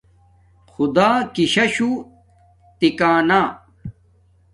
خدݳ کِسَشُݸ ٹھَکݳ نݳ.